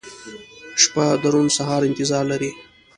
• شپه د روڼ سهار انتظار لري.